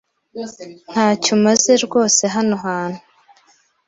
Nta cyo umaze rwose hano hantu.